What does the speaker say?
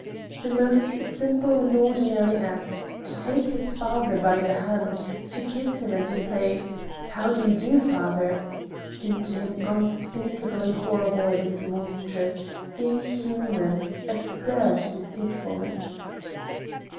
The most simple and ordinary act, to take his father by the hand, to kiss him, and to say, "How do you do, father?" seemed to him unspeakably horrible in its monstrous, inhuman, absurd deceitfulness.